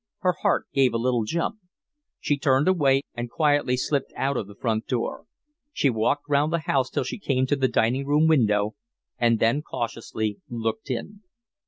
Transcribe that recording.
Her heart gave a little jump. She turned away and quietly slipped out of the front door. She walked round the house till she came to the dining room window and then cautiously looked in.